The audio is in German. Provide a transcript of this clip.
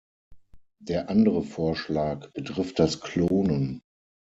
Der andere Vorschlag betrifft das Klonen.